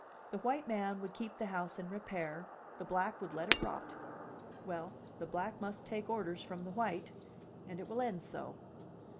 The white man would keep the house in repair, the black would let it rot. Well, the black must take orders from the white. And it will end so."